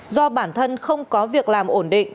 do bản thân không có việc làm ổn định